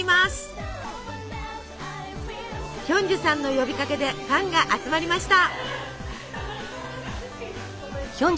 ヒョンジュさんの呼びかけでファンが集まりました。